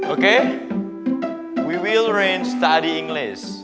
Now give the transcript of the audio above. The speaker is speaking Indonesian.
oke kita akan belajar bahasa inggris